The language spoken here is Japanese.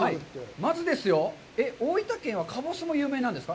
まずですよ、大分県はかぼすも有名なんですか。